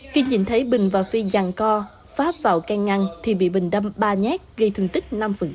khi nhìn thấy bình và phi dàn co pháp vào can ngăn thì bị bình đâm ba nhát gây thương tích năm